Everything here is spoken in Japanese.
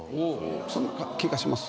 そんな気がします